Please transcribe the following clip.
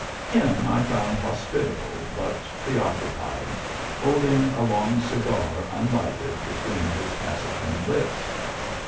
Him I found hospit able, but preoccupied, holding a long cigar un lighted between his taciturn lips.